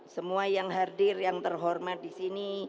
semua yang hadir yang terhormat di sini